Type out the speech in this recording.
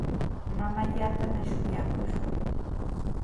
Mamaallatana shuyaakushun.